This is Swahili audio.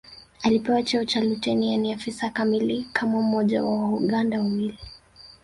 Alipewa cheo cha luteni yaani afisa kamili kama mmoja wa Wauganda wawili